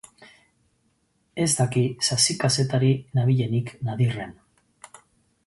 Ez daki sasi-kazetari nabilenik Nadirren.